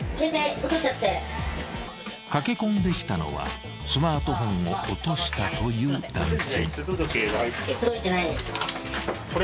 ［駆け込んできたのはスマートフォンを落としたという男性］